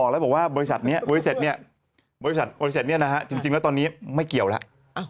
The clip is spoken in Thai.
แม่เขาบอกแล้วบอกว่าบริษัทนี้บริษัทนี้นะฮะจริงแล้วตอนนี้ไม่เกี่ยวแล้ว